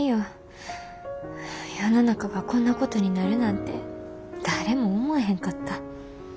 世の中がこんなことになるなんて誰も思えへんかった。